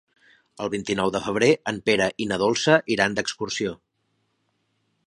El vint-i-nou de febrer en Pere i na Dolça iran d'excursió.